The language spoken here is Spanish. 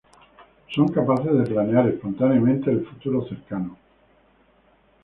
Son capaces de planear espontáneamente el futuro cercano.